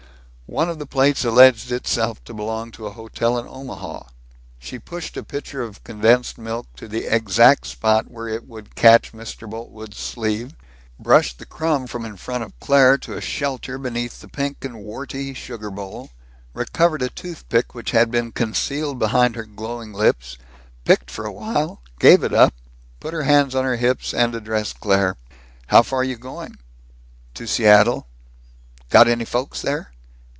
One of the plates alleged itself to belong to a hotel in Omaha. She pushed a pitcher of condensed milk to the exact spot where it would catch Mr. Boltwood's sleeve, brushed the crumb from in front of Claire to a shelter beneath the pink and warty sugar bowl, recovered a toothpick which had been concealed behind her glowing lips, picked for a while, gave it up, put her hands on her hips, and addressed Claire: "How far you going?" "To Seattle." "Got any folks there?"